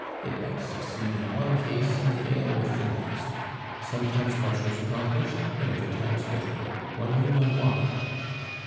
It might succeed in one case, and fail with the next; sometimes much was accomplished, at other times little, one knew not why.